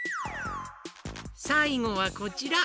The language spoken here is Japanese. さいごはこちら。